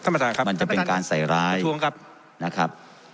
มันจะเป็นการใส่ร้ายนะครับ